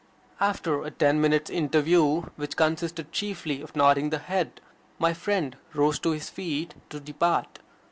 After a ten minutes' interview, which consisted chiefly of nodding the head, my friend rose to his feet to depart.